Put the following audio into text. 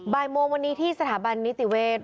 บ่ายโมงวันนี้ที่สถาบันนิติเวศ